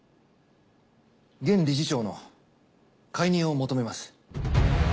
現理事長の解任を求めます。